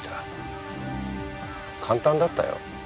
簡単だったよ。